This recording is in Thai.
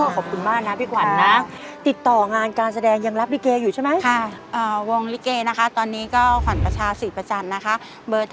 ขอบคุณคุณอย่างสูญนะคะให้เกียรติจากทางรายการนะครับ